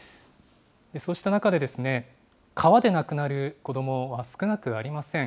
そうした中で、川で亡くなる子どもは少なくありません。